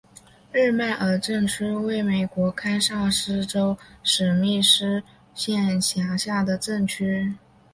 日耳曼镇区为美国堪萨斯州史密斯县辖下的镇区。